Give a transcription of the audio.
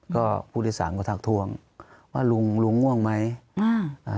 ก็ผู้โดยสารก็ทักท่วงว่าลุงลุงง่วงไหมอ่า